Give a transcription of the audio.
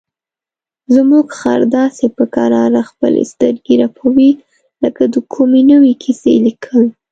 زموږ خر داسې په کراره خپلې سترګې رپوي لکه د کومې نوې کیسې لیکل.